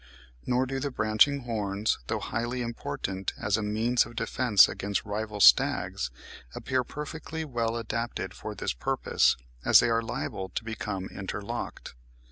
Nor do the branching horns, though highly important as a means of defence against rival stags, appear perfectly well adapted for this purpose, as they are liable to become interlocked.